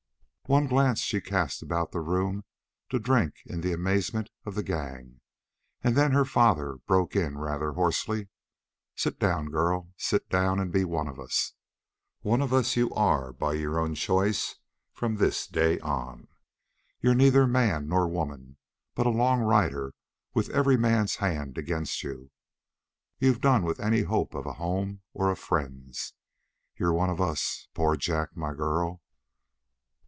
One glance she cast about the room to drink in the amazement of the gang, and then her father broke in rather hoarsely: "Sit down, girl. Sit down and be one of us. One of us you are by your own choice from this day on. You're neither man nor woman, but a long rider with every man's hand against you. You've done with any hope of a home or of friends. You're one of us. Poor Jack my girl!"